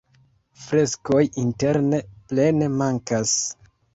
Freskoj interne plene mankas.